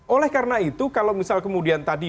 oleh karena itu kalau misal kemudian tadi